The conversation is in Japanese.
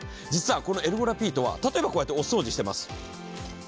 実はこのエルゴラピードは例えばこうやってお掃除してます。